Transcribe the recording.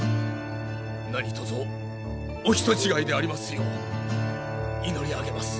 何とぞお人違いでありますよう祈り上げます。